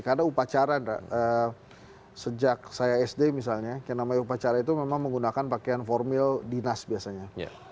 karena upacara sejak saya sd misalnya yang namanya upacara itu memang menggunakan pakaian formil dinas biasanya